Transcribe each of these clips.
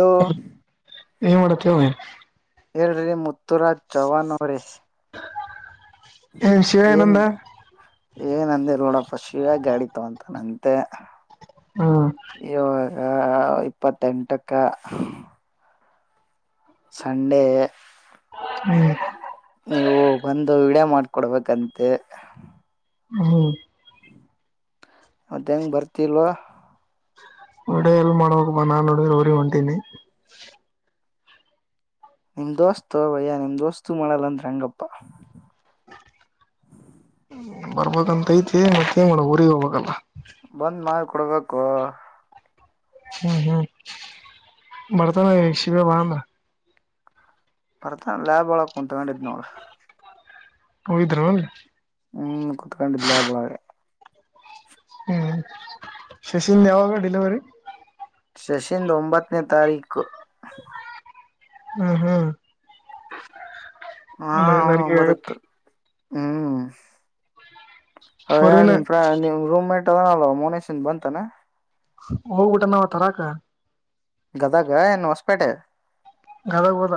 ಓ. ಏನ್ ಮಾಡತೀಯ್. [unintelligible] ಪೃಥ್ವಿರಾಜ್ ಚವಾನ ಅವ್ರೇ. ಏ ಶಿವ ಏನು ಏನಂದ ಏನ್ಂದಿಲ್ಲ ನೋಡಪ್ಪ ಶಿವ್ಯಾ ಗಾಡಿ ತಗಂಟಾನ ಅಂತ್ ತೆ. ಹ್ಮ್ [inaudible] ಆ ಇಪ್ಪತ್ತೆಂಟಕ್ಕ. ಸಂಡೇ. ಹ್ಮ್. ನೀವು ಬಂದು ವಿಡಿಯ ಮಾಡ್ಕೊಡ್ಬೇಕಂತೆ. ಹ್ಮ್. ಮತ್ತ ಹೆಂಗ ಭರ್ತಿ ಲೋ. ವಿಡಿಯೋ ಎಲ್ಲ ಮಾಡಬೇಕಪಾ ನಾ ನೋಡಿದ್ರ ಊರಿಗ ಹೊಂತಿನಿ. ನಿಮ್ ದೋಸ್ತ ಭಯ್ಯ ನಿಮ್ ದೋಸ್ತು ಮಾಡಲ್ಲಂದ್ರ ಹೆಂಗಪ್ಪ. ಬರ್ಬೇಕಂತ ಐತಿ ಮತ್ತೇನ್ ಮಾಡವ ಊರಿಗೆ ಹೋಗಬೇಕಲ್ಲ. ಬಂದ್ ಮಾಡ್ ಕೊಡ್ಬೇಕು. ಹ್ಮ್ ಹ್ಮ್ ಬರ್ತಾನ ಇಲ್ಲಾ ಶಿವ್ಯಾ ರಾಮ್. ಬರ್ತಾ ಲ್ಯಾಬ್ ಒಳಗ ತಗೊಂಡಿದ್ ನೋಡ. ಹೋಗಿದ್ರ ಅಲ್ಲಿ. ಹ್ಮ್ ಕೂತ್ಕೊಂಡಿದ್ದ ಲ್ಯಾಬ್ ಒಳಗ. ಹ್ಮ್ ಶಶಿಂದ ಯಾವಾಗ ಡಿಲಿವರಿ. ಶಶಿಿಂದ್ ಒಂಬತ್ತನೇ ತಾರೀಕು. ಹ್ಮ ಹ್ಮ್. [unintelligible] ಹ್ಮ. [unintelligible] ಫೋರ್ ವೀಲ್ ಇದ ಮೋನೇಶಿಂದ ಬಂತನ. ಹೋಗ್ಬಿಟ ನಾವ ತರಾಕ. ಗದಗ ಏನ ಹೊಸಪೇಟೆ. ಗದಗ ಹೋದಾ.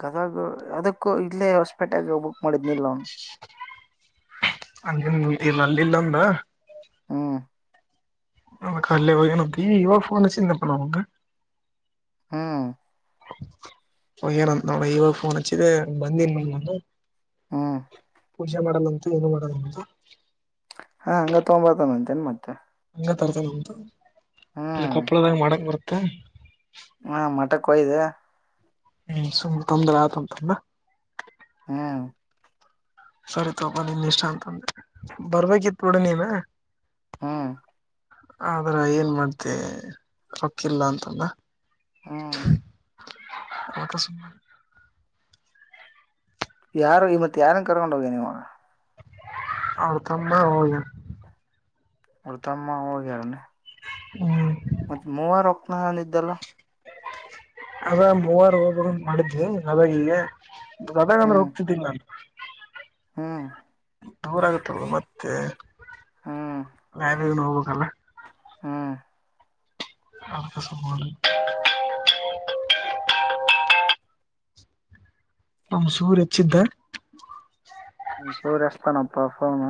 ಗದಗ ಅದಕ್ಕ ಇಲ್ಲೇ ಹೊಸ್ಪೇಟೆಗೆ ಬುಕ್ ಮಾಡಿದ್ನಿಲ್ಲ ನಾನು. [unintelligible] ಹ್ಮ. ಅ ಕಲ್ಲ ವನ ಏನ್ ಅಂತಿ ಇವಾಗ ಫೋನ್ ಹಚ್ಚಿನಿಪ ಅವಂಗ. ಹ್ಮ್. ಏನುಅಂತಾನ ನೋಡ ಐವ ಫೋನ್ಚ ಬಂದಿ ನ ಹ್ಮ ಪೂಜೆ ಮಾಡಲ್ಲಂತೂ ಏನು ಮಾಡಲ್ಲು ಹಾ ಹಂಗ ತಗೊಂಬರ್ತಾನ ಅಂತೇನ್ ಮತ್ತೆ ಹಂಗ ತರ್ತದೆಂತು ಇಲ್ಲಿ ಕೊಪ್ಪಳದಾಗ ಮಾಡಕ್ ಬರ್ತ್ತ ಹ ಹ್ಮ ಮಠಕ್ಯ ಹೋಗಿದ್ದೆ ಹ್ಮ್ ಸುಮ್ ತೊಂದ್ರ ಆತ ತಂದ್ರ ಹಾ ಸರಿತಪ ನಿನ್ ಇಷ್ಟ ಅಂತಂದೆ ಬರ್ಬೇಕಿತ್ ನೋಡಿ ನೀನ್ ಹಾ ಆದ್ರ ಏನ್ ಮಾಡ್ದ ರೊಕ್ಕಿಲ್ಲ ಅಂತಂದ ಹ್ಮ್ [inaudible] ಆತ ಸ ಯಾರು ಇ ಮತ್ ಯಾರನ್ ಕರ್ಕೊಂಡ್ ಹೋಗಿ ನೀವಾಗ ಅವ ತಮ್ಮ ಹೋಗ ಅವರ ತಮ್ಮಒಗಿರ್ ಹ್ಮ್ ಮತ್ತೆ ಮೂವಾರ ಹೊಕ್ಕನಏನ ಇದಿದ್ದಲ್ಲ ಅದ ಮೂವಾರ ಹಬ ಮಾಡಿದ್ವಿ ನಾ ವೈಲಿಲಾ ಗದಾಗ ಅಂದ್ರೆ ಹ್ಮ್ ಹೋಗತಿದ್ದೀನಿ ನಾನು ಹ್ಮ್ ದೂರ ಆಗತ್ತಲ್ ಮತ್ತೆ ಹ್ಮ್ ಹ ಹೋಗ್ಬೇಕಕ್ಲ್ಲ ಹ್ಮ್ ಅವಕ್ಕೆ ಸ ಅವಮ್ಮ ಸೂರ್ ಹೆಚ್ಚಿದ್ದ ಹ್ಮ ಸೌಸ್ತಾನ ಪರ್ಫನ್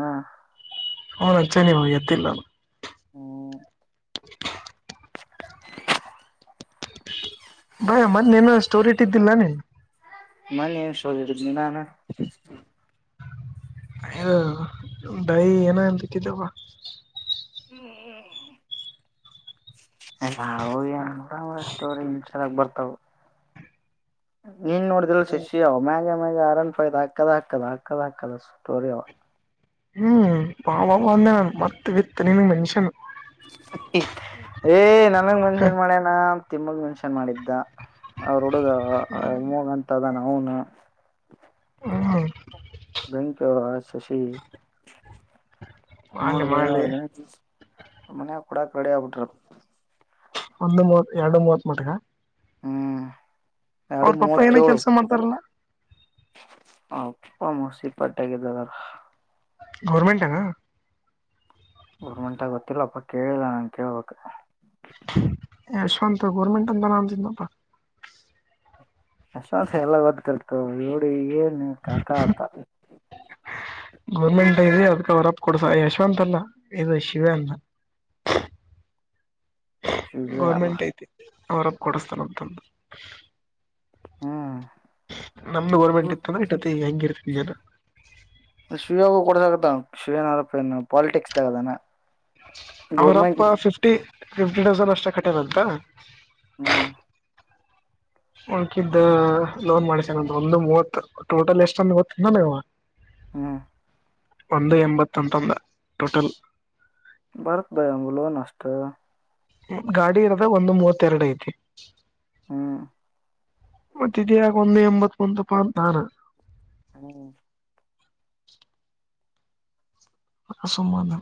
ಹ ನಚೆ ನೀವು ಎತ್ತಿಲ್ಲ ಹ್ಮ [inaudible] ಬರ ಮೊನು ಅಷ್ಟ ಸ್ಟೋರಿ ಇಟ್ಟಿದ್ದಿಲ್ಲ ನೀ ಮನ ಏನು ಸ್ಟೋರಿ ನೀನಾ ನಾನ ಯದ ೈ ಏನ ಎನ್ ಬಕ್ಕಿದ್ದವ [unintelligible] ಹ್ಮ್ ನ ಅವ ಸ್ಟೋರಿ ಇನ್ಸ್ಟಾದಗ ಬರ್ತಾವ ನೀನ್ ನೋಡಿದ್ರಲ್ಲಿ ಶಶಿ ಅವ ಮ್ಯಾಗ ಮ್ಯಾಗ ಆರನ್ಯದ ಹಾಕ್ಕದ ಹಾಕದ ಹಾಕದ ಹಾಕದ ಸ್ಟೋರಿ ಅವ ಹ್ಮ್ ಬಾಬ ಅಂದೆ ನನ್ ಮತ್ತತ್ ವಿತ್ತ ನಿನ್ ನೆನ್ಷನ್ ಏ ನನ್ನ್ ಮನ್ಷ ಏನ್ ಮಾಡ್ಯನಾ ತಿಮ್ಮಗ್ ಮೆನ್ಷನ್ ಮಾಡಿದ್ದ ಅವ್ರ ಅ ಅ ಅನ್ಮೊಗ್ ಅಂತ್ ಅದಾನ್ ಹೂಂ ನಾ ಹಾ ಬೆಂಕ ಶಶಿ ಮಾಡ್ಲಿ ನೋಡ್ ಭಯ ಮಾಡ್ಲಿ ಅವರ್ ಮನ್ಯಾಗ ಮನ್ಯಾಗ ಕುಡಾಕ್ ರೆಡಿ ಆಗ್ಬಿಟ್ರ. ಒಂದು ಮೂವತ್ ಎರಡ ಮೂವತ್ ಮಟ್ ಹ್ಮ್ ಎರಡು ಅವ್ರ ಪಪ್ಪ ಏನ ಮೂವತ್ತೇಳು ಕೆಲ್ಸ ಮಾಡ್ತಾರಲ್ಲ. ಅಪ್ಪ ಮೋಸ್ಟ್ಲಿ ಪಟ್ಟ್ಯಾಗ್ ಇದ ಅದಾರ್. ಗೌರ್ಮೆಂಟ್ ಏನ್? ಗೌರಮೆಂಟ್ ಗೊತ್ತಿಲ್ಲಪ್ಪ ಕೇಳಿಲ್ಲ ನಾನ್ ಕೇಳ್ಬೇಕ. ಯಶವಂತ ಗರ್ಮೆಟ್ಂತ ಅಣ್ಣಾತಿದ್ದ ನಪ್ಪ. ಯಶವಂತ್ ಎಲ್ಲ ಗೊತ್ತಿರ್ತಾದ್ ನೋಡ ಈಗೆ ಹ್ಮ [unintelligible] ಗೌರ್ಮೆಂಟ್ ಇದೆ ಅದ್ಕ ಅವರಪ್ ಕೊಡ್ಸ ಯಶವಂತಲ್ಲ ಇಲ್ ಶಿವ್ಯಾ ಅಲ್ಲ ಶಿವ್ಯ ಗೌರ್ಮೆಂಟ್ ಐತಿ. ಅವರಪ್ ಕೊಡಿಸ್ತಾನಂತಂದ. ಹಾ ನಮ್ದು ಗೋರ್ಮೆಂಟ್ ಇತ್ತಂದ್ರ ಇಟ್ಟತಿಗ್ ಹೆಂಗೀರ್ತಿತ್ ಇಲ್. ಶಿವ್ಯನೋರಪ್ಪ ಏನ ಪಾಲಿಟಿಕ್ಸ್ ದಾಗ್ ಅದಾನ್ ಅವರಪ್ಪ ಫಿಫ್ಟಿ. ಫಿಫ್ಟಿ ಥೌಸಂಡ್ ಅಷ್ಟ ಕಟ್ಯಾನ್ ಅಂತ. ಹ್ಮ ಉಳಕಿದ್ದ ಲೋನ್ ಮಾಡ್ಸ್ಯಾನ್ ಅಂತ್ ಒಂದು ಮೂವತ್ತ ಟೋಟಲ್ ಎಷ್ಟಂದ್ ಗೊತ್ತೇನ್ ನಂಗ್ ಅವ. ಹ್ಮ್ ಒಂದು ಎಂಬತ್ತ ಅಂತಂದ ಟೋಟಲ್. ಭರತ್ ಭಾಯ ಅವ್ನ್ಗ ಲೋನ್ ಅಷ್ಟ. ಗಾಡಿ ಇರದ ಒಂದು ಮೂವತ್ತ ಎರಡ ಐತಿ. ಹ್ಮ್ ಮತ್ತಿದ ಯಾಕ್ ಒಂದು ಎಂಬತ್ತ. [unintelligible] ಹ್ಮ್ ಹ ಸುಮ್ಮದ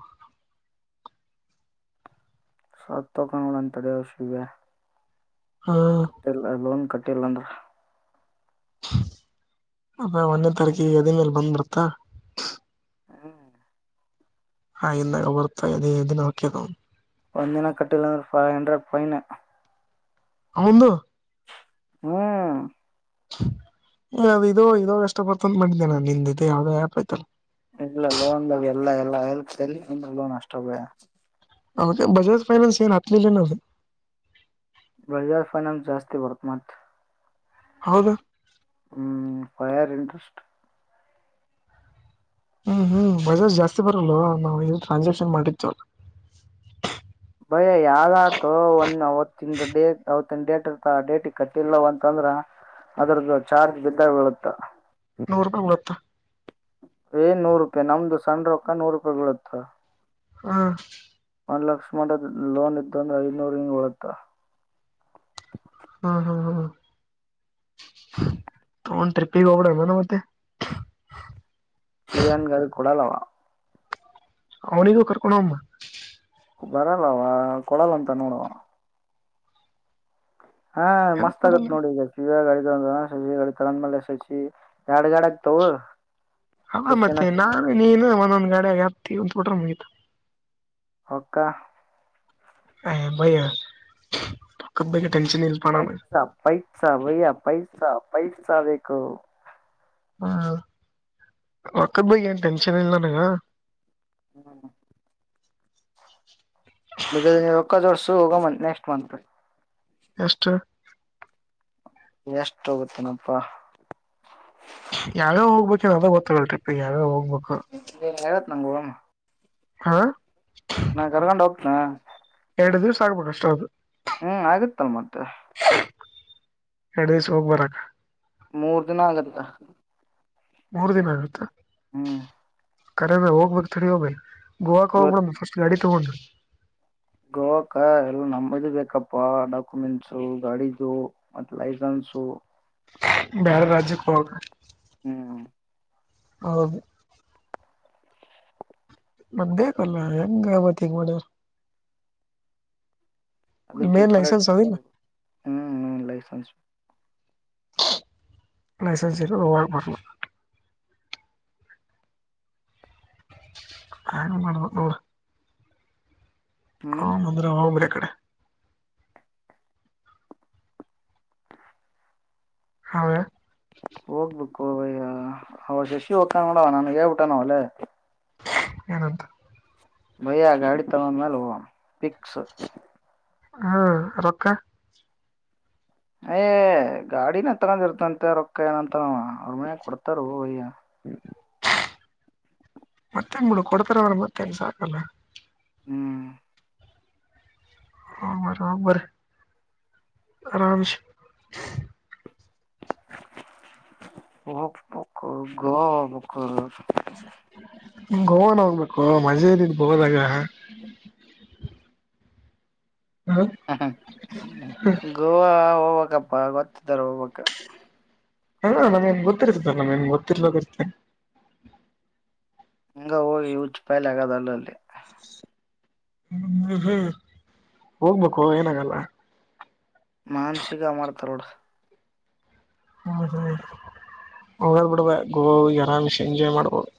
ಸತ್ತ ಹೊಕ್ಕನ್ ನೋಡ್ ಅವ್ನ ತಡಿ ಶಿವ್ಯಾ. ಹ ಅಟ್ಟೆಲ್ಲಾ ಲೋನ್ ಕಟ್ಟ ಇಲಂದ್ರ ಅದ ಒನ್ನೇ ತಾರೀಕಿಗ ಎದಿಮ್ಯಾಲ ಬಂದ್ ಬಿಡ್ತ ಹ್ಮ್ [unintelligible] ಒಂದಿನ ಕಟ್ಟಿಲಂದ್ರ ಫೈ ಹಂಡ್ರೆಡ್ ಫೈನ್. ಅವಂದ ಹ್ಮ್ ಏ ಅದು ಇದೋ ಇದೋಷ್ಟ ಬರ್ತ ಅ ಮಾಡಿದ್ದೆ ನಿನ್ ಜೊತೆ ನಿಂದ ಯಾವ್ದದೋ ಆ್ಯಪ್ ಐಯ್ತಲ್ಲ ಇಲ್ಲ ಲೋನ್ದಾಗ ಎಲ್ಲಾ ಎಲ್ಲಾ ಎಲ್ಪದ್ರ ಲೋನ್ ಅಷ್ಟೇ ಬೈಯಾ ಹತ್ತೆ ಬಜಾಜ ಫೈನಾನ್ಸ ಏ ನ ಹಾಲ್ಲ ಏನ ಬಜಾಜ್ ಫೈನಾನ್ಸ್ ಜಾಸ್ತಿ ಬರ್ತಮತ್ ಹೌದು ಹ್ಮ್ ವಾಯ್ ಆರ್ ಇಂಟ್ರೆಸ್ಟ್ ಹ್ಮ್ ಹ್ಮ್ ಬಜಾಜ್ ಜಾಸ್ತಿ ಬರಲ್ವ ನಾವ್ ಇ ಟ್ರಾನ್ಸಾಕ್ಷನ್ ಮಾಡಿತ್ತುವಲ್ಲ ಭಯ್ಯ ಯಾವ್ದಾತೋ ಒಂದ ಅವತ್ತಿನ ಡೇಟ್ ಅವತ್ತಿನ ಡೇಟ್ ಇರ್ತ ಆ ಡೇಟಿಗೆ ಕಟ್ಟಿಲ್ಲವ ಅಂತಂದ್ರ ಅದ್ರದ್ದು ಚಾರ್ಜ್ ಬಿದ್ದಾಗ ಬೀಳುತ್ತ ನೂರು ರೂಪಾಯಿ ಡತ್ತ ಏನ್ ನೂರು ರೂಪಾಯಿ ನಮ್ದು ಸಣ್ಣ ರೊಕ್ಕ ನಾ ನೂರು ರೂಪಾಯಿ ಬಿಳತ್ತ ಹಾ ನ್ ಲಕ್ಷ್ಮದ ಲೋನ್ ಇದ್ದ ಒಂದು ಐನೂರು ಹಂಗ ಬರತ್ತ ಹ್ಮ ಹ್ಮ್ ಹ್ಮ್ ತಗೋಂಡನ ಟ್ರಿಪ್ಪಿ ಗ ಹೋಗೋರನ ಮತ್ತೆ ಸಿವಿಯನ್ ಗಾಡಿ ಕೊಡಲ್ಲವ ಅವನಿಗೂ ರ್ಕೋಂಡಮ ಬರಲ್ಲವ ಕೊಡಲ್ಲ ಅಂತ ನೋಡುವ ಹಾ ಹೆಂಗ್ ಮಸ್ತ್ ಆಗತ್ ಕೊಡಲ್ಲ ನೋಡಿ ಈಗಾಗ ಇ ಶಿಡೆ ತಳಂದ್ಮೇಲೆ ಶಶಿ ಎರಡ್ ಗಾಡ ಆಗ್ತವು ಹ ಮತ್ತೆ ನಾನು ನೀನು ಒಂದೊಂದ್ ಗಾಡಗ ಒಂದು ಪೋಟಾರ ಮುಗಿತ ರೋಕ್ಕಾ ಹ್ ಭಯಾ ಪೈಸಾ ಪೈಸಾ ಭೈಯ ಪೈಸಾ ಪೈಸಾ ಪೈಸಾ ಬೇಕು ಹಾ ರೊಕ್ಕದ ಬಗ್ಗೆ ಏನ್ ಟೆನ್ಷನ್ ಇಲ್ಲ ನನ್ನಗ ಹ್ಮ್ ಬಗ ರೊಕ್ಕದ್ ಜೋಡಿಸು ಹೋಗುಣಂತ್ ನೆಕ್ಸ್ಟ್ ಮಂತ್ ಎಷ್ಟ ಎಷ್ಟ ಹೋಗುತ್ತೇನಪ್ಪಾ ಯಾವ ಯಾವ್ ಹೋಗ್ಬೇಕು ಅ ಗೊತ್ತಲ್ಲ ಟಿಪ್ಗ ಯಾವೇವ ಹೋಗ್ಬೇಕು [inaudible] ನಂಗಾಮ ಹಾ ನಾ ಕರ್ಕೊಂಡ್ ಹೋಗ್ತೇನ ಎರಡು ದಿವ್ ಆಗಬೇಕ ಅಷ್ಟೇ ಅದು ಹ್ಮ್ ಆಗತ್ತಲ್ ಮತ್ತೆ ಎರಡು ದಿಸಕ ಹೋಗ್ ಬರಕ್ಕ ಮೂರು ದಿನ ಆಗತ್ತ ಮೂರ್ ದಿನ ಆಗುತ್ತಾ ಹ್ಮ್ ಕರ ಭೆ ಹೋಗ ಬ ಹೋಗಬ ಗೋವಾಕ್ಕೆ ಹೋಗ್ಬೇಕ ಫಸ್ಟ್ ಗಾಡಿ ಇಷ್ಟ ಬಂದು ಗೋವಾಕ ಎಲ್ಲ ನಮ್ಮದು ಬೇಕಪ್ಪಾ ಡಾಕ್ಯುಮೆಂಟ್ಸು ಗಾಡಿದು ಮತ್ ಲೈಸೆನ್ಸು ಬಾರೇ ರಾಜ್ಯ ಕೊಗ ಹ್ಮ್. ಹ. ನ್ ಬೇಕಲ್ಲ ಹೆಂಗವತ್ತಗ ಮದ. ಅದಕ್ಕೆ ಕಡೆಟ್ರಿ ಹ್ಮ್ ಲೈಸೆನ್ಸ್. ಲೈಸೆನ್ಸ ಇ ರವಡ ಮಾಡ. ಆ ಮಾಡಬೇಕು ನೋಡ್ರಿ. ಹ ಹ್ಮ್ ಅಂದ್ರೆ ನಾವು ಬೇರೆ ಕಡೆ. ಹೌದಾ [unintelligible] ಹೋಗ್ಬೇಕು ಅವಯ್ಯ ಅವ ಶಶಿ ಹಕ ನೋಡವ ನಾನ ಹೇಳ್ಬಿಟ್ಟಾನಲ್ಲೇ. ಏನಂತ. ಭಯ ಗಾಡಿ ತಗೋಂದ ಮೇಲೆ ಹೋಗೋಣ ಪಿಕ್ಸ್. ಹ್ಮ ರೊಕ್ಕ. ಯ ಗಾಡಿನ ತಗೊಂಡಿರ್ತಂತೆ ರೊಕ್ಕ ಏನಂತಾರ ಅವ್ರ ಮೇ ಕೊಡ್ತಾರ ಅಯ್ಯ. ಮತ್ತೆ ಮೂಡ ಕೊಡ್ತಾರೆ ಅವ್ರ ಮತ್ತೆನ್ ಸಾಕಲ್ಲ. ಹ್ಮ್. ಹ ಒಗ್ ಬರ್ರಿ ಆರಾಮಸ. ಒ ಪಕ್ಕ ಗಕ್ಕ. [inaudible] ಗೋವನ್ ಹೋಗ್ಬೇಕು ಮಜೆನಿದ ಬೋದಾಗ. ಗೋವಾ. ಪ್ಪ ಕೊತ್ತು ತರ ಬ. ಹ ನಮ್ೇನ್ ಗೊತ್ತಿರ್ತದ ನಮ್ೇನ್ ಗೊತ್ತಿರ್ಲೋದ ಇರ್ತ. ಹಂಗ ಹೋಗಿ ಹೂ ಚ ಪಾಯಲಿ ಆಗಾದ ಅಲ್ಲ ಅಲ್ಲಿ. ಹ್ಮ ಹ್ಮ್ ಹ್ಮ್ ಹೋಗ್ಬೇಕು ಏನಾಗಲ್ಲ. ಮಾನ್ಸಗ ಮಾಡ್ತಾರೋಡ. ಹ ಹೋಗ್ ಬಿಡಬ ಗೋ ಆರಾಮಿಸಿ ಎಂಜಾಯ್ ಮಾಡ್ಬೋದು.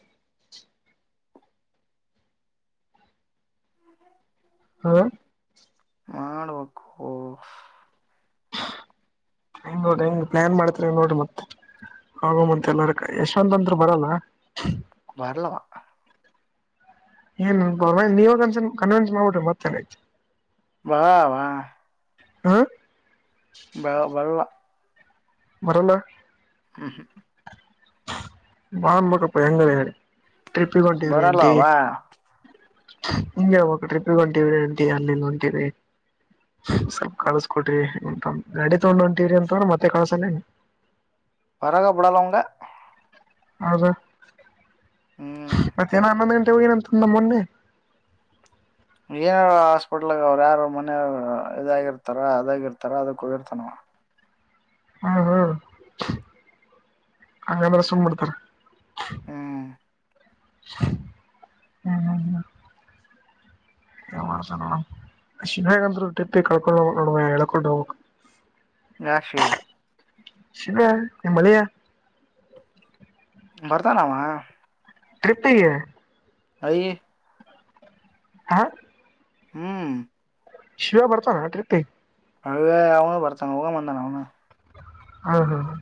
ಹಾ. ಮಾಡಬೇಕೂ. ಹಂಗ ನೋಡ್ರಿ ಹಂಗ ಪ್ಲಯಾನ್ ಮಾಡ್ತ್ರಿಂಗ ನೋಡ್ರಿ. ಮತ್ತೆ ಆಗ ಮತ್ ಎಲ್ಲಾರ ಯಶವಂತ ಅಂದರು ಬರಲ್ಲ ಬರಲವಾ. ಏನ್ ನೀವನ್ಸ ಕನ್ವಿನ್ಸ್ ಮಾಡ್ಬಿಟ್ರಿ ಮತ್ತೇನ್ಯ್ತು. ವಾ ವಾ. ಹಾ. ಬ ಬರಲ್ಲ. ಬರಲ್ಲ. ಬಂಬಕಪ್ಪ ಹೆಂಗ ಹೇಳ. ಬರಲ್ಲ ಭ. ಹಿಂಗೆಾವಾಗ ಟಿಪ್ಿ ಹೊಂಟಿವ್ರಿಂಟ ಅಲ್ಲಿಲ್ಲ ಹೊಂಟಿವರಿ ಸ್ವಲ್ಪ ಕಳಸಕ ಕೊಟ್ರಿ ಗಾಡಿ ತಗೊಂಡ ಹೊಂಟಿವವ್ರಿ ಅಂತ್ರ ಮತ್ತೆ ಕಳ್. ತಲೆ ತಳ ಪರಗ ಬಿಡಲ್ಲವಂಗ. ಹದ. ಹ್ಮ್ ಮತ್ತೆ ಏನ ಆಂದ. ಹೋಗನಂತು ನಮ್ಮ ಮೊನ್ನೆ. ಏನಾರ ಹಾಸ್ಪಿಟ್ಲ್ಗ ಅವ್ರು ಯಾರ ಮನೆಯವ ಇದಾಗಿರ್ತಾರ ಅದಾಗಿರ್ತಾರ ಅದಕ್ಕ ಹೋಗಿರ್ತಾನ ಹ್ಮ ಹ್ಮ್ ಹಾಗಂಗಾದ್ರ ಸುಮ ಮಾಡಡ್ತಾರ ಹ್ಮ್ ಹ್ಮ್ ಹಾ ಹ್ಮ ಏ ಮಾಡ್ತ ನೋಡ ಶನ್ೇಗಂದ್ಟ್ಟಿಿ ಕಳ್ಕೊಂಡ್ ಹೋಗ ನೋಡ ಎಳ್ಕೊಂಡು ಹೋಗಕ್ ನಾಶಿಯಾ ಶಿವ ನಿಮ್ಮಳೆಯ ಬರ್ತಾನವ ತೃಪ್ತತಿಯ ಹಯ ಹಾ ಹ್ಮ್ ಶಿವ ಬರ್ತ ಅಟತಿ ಅೇ ಅವನು ಬರ್ತ ಹಊಗ ಮಂದಾನೆ ಅವನು ಹ್ಮ ಹ್ಮ ಹ.